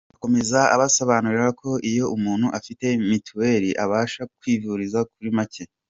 Akomeza abasobanurira ko iyo umuntu afite mitiweli abasha kwivuriza kuri make